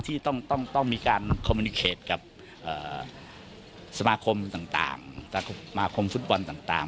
ที่ต้องมีการคอมมินิเคตกับสมาคมต่างสมาคมฟุตบอลต่าง